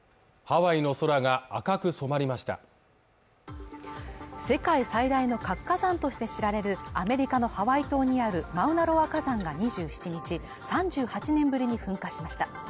ハワイの空が赤く染まりました世界最大の活火山として知られるアメリカのハワイ島にあるマウナロア火山が２７日３８年ぶりに噴火しました